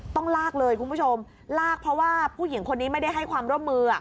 ต้องลากเลยคุณผู้ชมลากเพราะว่าผู้หญิงคนนี้ไม่ได้ให้ความร่วมมือ